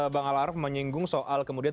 bang alaraf menyinggung soal kemudian